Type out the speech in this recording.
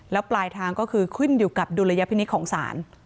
แล้วปลายทางก็คือขึ้นอยู่กับดุลยพินิษฐ์ของศาล